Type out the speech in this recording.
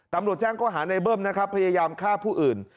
ตำรวจแจ้งข้อหาในเบิ้มนะครับพยายามฆ่าผู้อื่น